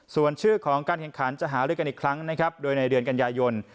ส่วนชื่อของการแข่งขันจะหาลือกันอีกครั้งนะครับโดยในเดือนกันยายน